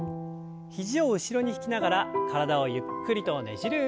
肘を後ろに引きながら体をゆっくりとねじる運動です。